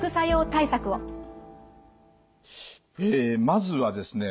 まずはですね